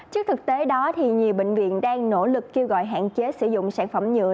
trước thực tế đó nhiều bệnh viện đang nỗ lực kêu gọi hạn chế sử dụng sản phẩm nhựa